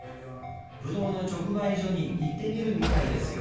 ぶどうの直売所に行ってみるみたいですよ